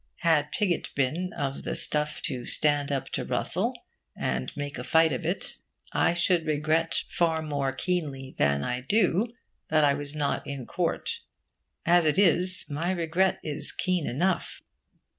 Had Pigott been of the stuff to stand up to Russell, and make a fight of it, I should regret far more keenly than I do that I was not in court. As it is, my regret is keen enough.